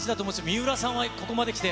水卜さんはここまで来て。